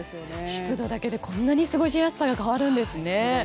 湿度だけでこんなに過ごしやすさが変わるんですね。